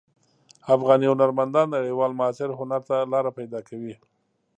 افغاني هنرمندان نړیوال معاصر هنر ته لاره پیدا کوي.